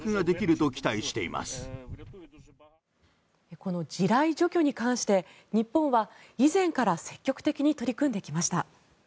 この地雷除去に関して日本は以前から積極的に取り組んできました。